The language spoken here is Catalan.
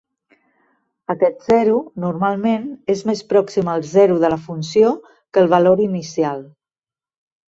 Aquest zero, normalment, és més pròxim al zero de la funció, que el valor inicial.